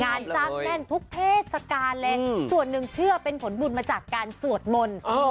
งานจ้างแน่นทุกเทศกาลเลยส่วนหนึ่งเชื่อเป็นผลบุญมาจากการสวดมนต์